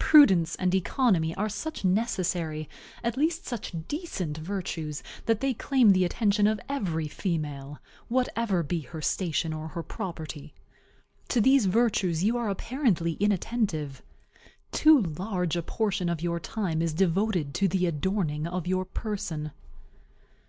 Prudence and economy are such necessary, at least such decent, virtues, that they claim the attention of every female, whatever be her station or her property. To these virtues you are apparently inattentive. Too large a portion of your time is devoted to the adorning of your person.